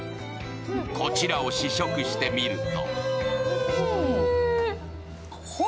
こちらを試食してみると。